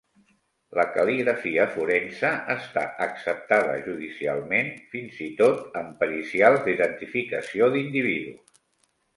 La cal·ligrafia forense està acceptada judicialment, fins i tot amb pericials d'identificació d'individus.